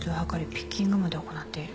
ピッキングまで行っている。